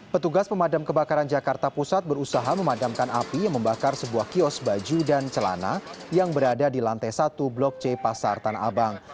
petugas pemadam kebakaran jakarta pusat berusaha memadamkan api yang membakar sebuah kios baju dan celana yang berada di lantai satu blok c pasar tanah abang